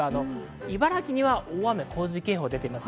茨城には大雨・洪水警報が出ています。